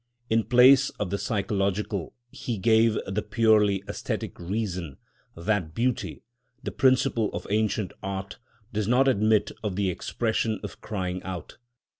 In place of the psychological he gave the purely æsthetic reason that beauty, the principle of ancient art, does not admit of the expression of crying out.